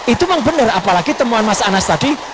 itu memang benar apalagi temuan mas anas tadi